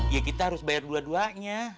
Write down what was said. ya kita harus bayar dua duanya